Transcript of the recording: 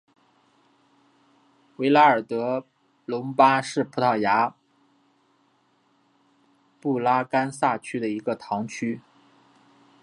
维拉尔德隆巴是葡萄牙布拉干萨区的一个堂区。